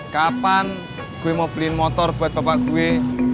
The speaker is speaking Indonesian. kapan gue mau beliin motor buat bapak gue